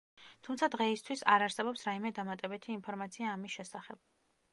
თუმცა, დღეისთვის არ არსებობს რაიმე დამატებითი ინფორმაცია ამის შესახებ.